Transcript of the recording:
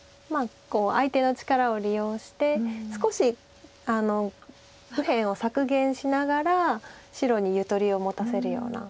相手の力を利用して少し右辺を削減しながら白にゆとりを持たせるような。